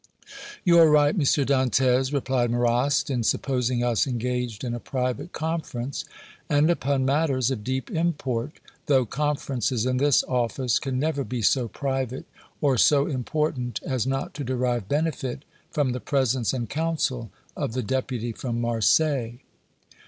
"You are right, M. Dantès," replied Marrast, "in supposing us engaged in a private conference, and upon matters of deep import, though conferences in this office can never be so private or so important as not to derive benefit from the presence and counsel of the Deputy from Marseilles."